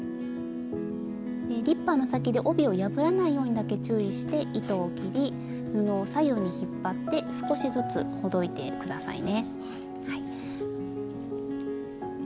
リッパーの先で帯を破らないようにだけ注意して糸を切り布を左右に引っ張って少しずつほどいて下さいね。